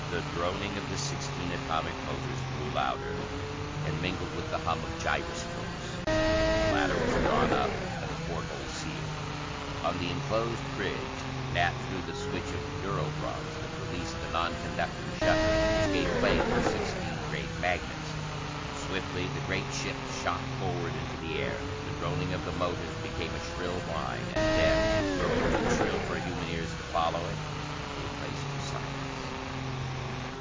The droning of the sixteen atomic motors grew louder, and mingled with the hum of gyroscopes. The ladder was drawn up and the port hole sealed. On the enclosed bridge Nat threw the switch of durobronze that released the non conducting shutter which gave play to the sixteen great magnets. Swiftly the great ship shot forward into the air. The droning of the motors became a shrill whine, and then, growing too shrill for human ears to follow it, gave place to silence.